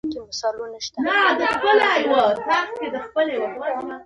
په ښار کې شته نجونې او پادشاه چې په موټر کې به تېرېده.